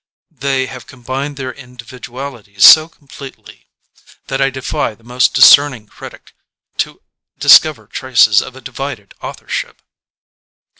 They have combined their individualities so completely that I defy the most discerning critic to discover traces of a divided authorship.